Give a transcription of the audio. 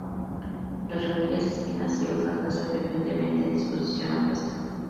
Las ramillas, espinas y hojas nacen frecuentemente en disposición opuesta.